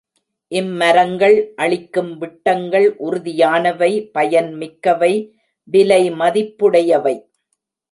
இம் மரங்கள் அளிக்கும் விட்டங்கள் உறுதியானவை பயன் மிக்கவை விலை மதிப்புடையவை.